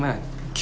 急